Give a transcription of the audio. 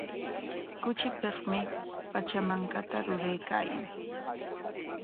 Kuchipikmi Pachamankata ruraykaayan.